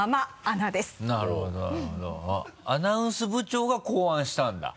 アナウンス部長が考案したんだ？